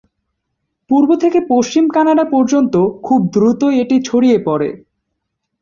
পূর্ব থেকে পশ্চিম কানাডা পর্যন্ত খুব দ্রুতই এটি ছড়িয়ে পড়ে।